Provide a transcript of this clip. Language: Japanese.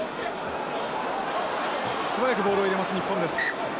素早くボールを入れます日本です。